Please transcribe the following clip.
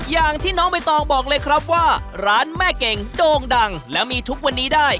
อย่างที่น้องใบตองบอกเลยครับว่าร้านแม่เก่งโด่งดังและมีทุกวันนี้ได้